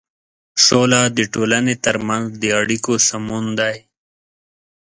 سوله د ټولنې تر منځ د اړيکو سمون دی.